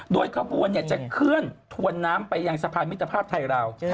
โดยขบวนจะเคลื่อนถวนน้ำไปยังสะพานมิตรภาพไทยราว